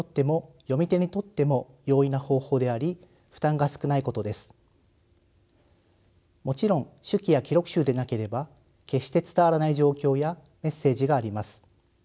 １つ目の意義と可能性はもちろん手記や記録集でなければ決して伝わらない状況やメッセージがあります。